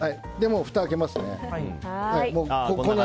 ふたを開けますね。